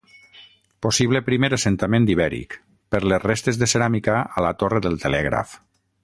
Possible primer assentament ibèric, per les restes de ceràmica a la Torre del Telègraf.